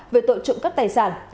về tội trụng các tài sản